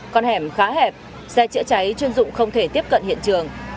con hẻm khá hẹp xe chữa cháy chuyên dụng không thể tiếp cận hiện trường